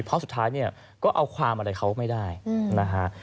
เพราะสุดท้ายเนี่ยก็เอาความอะไรเขาไม่ได้นะฮะ